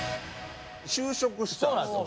就職したんですよ。